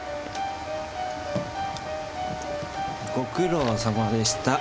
ご苦労さまでした。